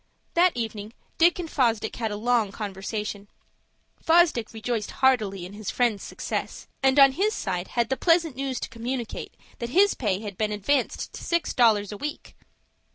That evening Dick and Fosdick had a long conversation. Fosdick rejoiced heartily in his friend's success, and on his side had the pleasant news to communicate that his pay had been advanced to six dollars a week.